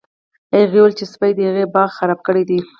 هغې وویل چې سپي د هغې باغ خراب کړی دی